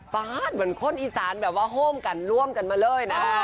ฟาดเหมือนคนอีสานแบบว่าโฮมกันร่วมกันมาเลยนะ